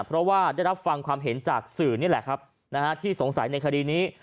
เพราะว่าได้รักฟังความเห็นจากสื่อที่สงสัยในคดีนี้